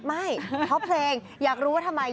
ไม่เพราะเพลงอยากรู้ว่าทำไม